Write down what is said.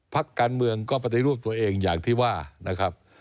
ภักดิ์การเมืองก็ปฏิรูปตัวเองอย่างที่ว่า